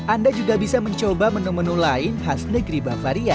anda juga bisa mencoba menu menu lain khas negeri bavaria